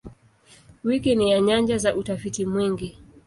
Wiki ni nyanja za utafiti mwingi.